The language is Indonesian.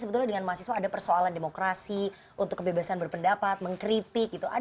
sebetulnya dengan mahasiswa ada persoalan demokrasi untuk kebebasan berpendapat mengkritik gitu